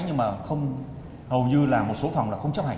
nhưng mà không hầu như là một số phòng là không chấp hành